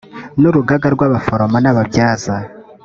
n urugaga rw abaforomo n ababyaza